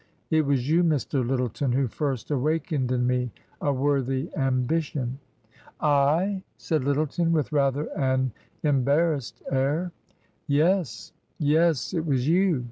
It was you, Mr. Lyttleton, who first awakened in me a worthy ambition." " I ?" said Lyttleton, with rather an embarrassed air. " Yes ! yes ! It was you